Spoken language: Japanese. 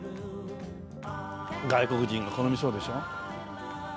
外国人が好みそうでしょ？